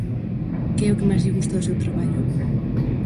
Que é o máis lle gusta do seu traballo?